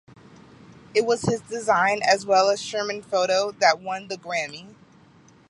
It was his design, as well as Scherman's photo, that won the Grammy.